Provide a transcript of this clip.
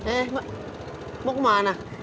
eh mbak mau kemana